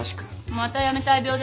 またやめたい病ですか。